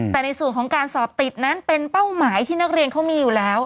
แต่ในส่วนของการสอบติดนั้นเป็นเป้าหมายที่นักเรียนเขามีอยู่แล้ว